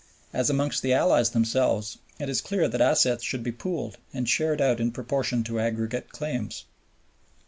As amongst the Allies themselves it is clear that assets should be pooled and shared out in proportion to aggregate claims.